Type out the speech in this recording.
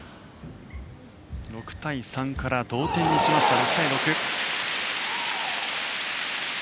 ６対３から同点にしました。